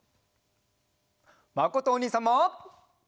まことおにいさんも！